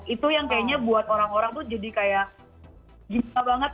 itu yang kayaknya buat orang orang tuh jadi kayak gimana banget